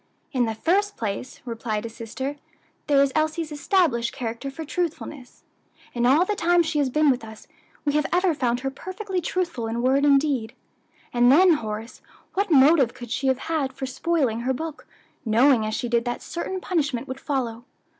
"In the first place," replied his sister, "there is Elsie's established character for truthfulness in all the time she has been with us, we have ever found her perfectly truthful in word and deed. And then, Horace, what motive could she have had for spoiling her book, knowing as she did that certain punishment would follow?